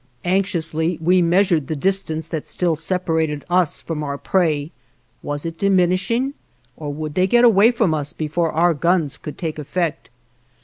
Anxiously, we measured the distance that still separated us from our prey. Was it diminishing? Or would they get away from us before our guns could take effect?